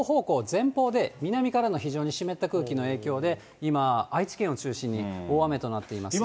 前方で、南からの非常に湿った空気の影響で、今、愛知県を中心に大雨となっています。